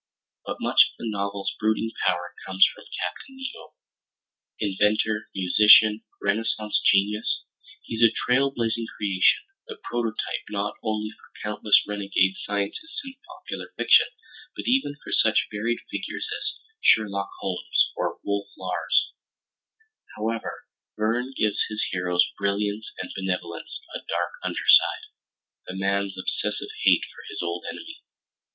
But much of the novel's brooding power comes from Captain Nemo. Inventor, musician, Renaissance genius, he's a trail blazing creation, the prototype not only for countless renegade scientists in popular fiction, but even for such varied figures as Sherlock Holmes or Wolf Larsen. However, Verne gives his hero's brilliance and benevolence a dark underside—the man's obsessive hate for his old enemy.